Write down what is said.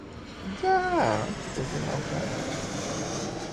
Katie Hoff empezó a entrenar en el Club de Natación de North Baltimore.